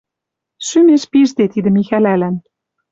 Шӱмеш пижде тидӹ Михӓлӓлӓн